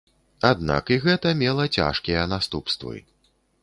Аднак і гэта мела цяжкія наступствы.